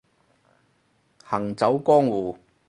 行走江湖